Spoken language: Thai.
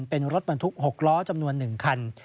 เป็นรถบรรทุก๖ล้อจำนวน๑คัน